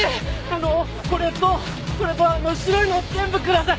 あのこれとこれと白いの全部ください！